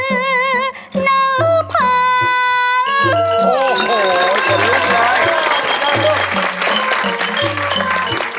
หนูพาลูก